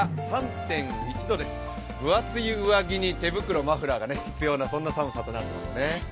分厚い上着に手袋、マフラーが必要な寒さとなっていますね。